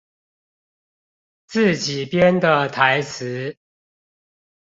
自己編的台詞